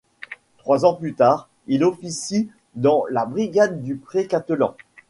Trois ans plus tard, il officie dans la brigade du Pré Catelan.